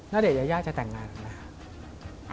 น่าจะยากจะแต่งงานหรือเปล่า